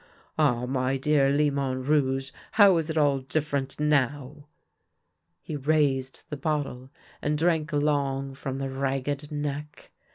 Ah, my dear Limon Rouge, how is it all different now !" He raised the bottle and drank long from the ragged neck.